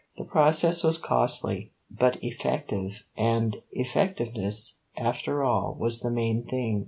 The process was costly, but effective; and effectiveness, after all, was the main thing.